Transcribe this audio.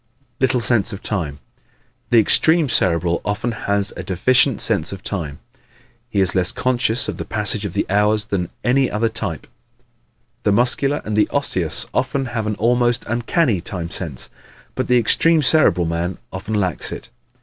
Little Sense of Time ¶ The extreme Cerebral often has a deficient sense of time. He is less conscious of the passage of the hours than any other type. The Muscular and the Osseous often have an almost uncanny time sense, but the extreme Cerebral man often lacks it.